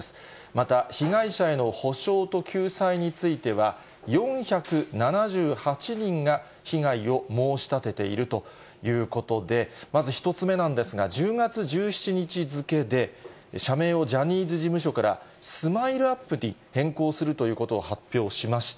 また、被害者への補償と救済については、４７８人が被害を申し立てているということで、まず１つ目なんですが、１０月１７日付で、社名をジャニーズ事務所からスマイルアップに変更するということを発表しました。